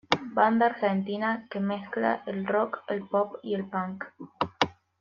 Banda argentina que mezcla el rock, el pop y el punk.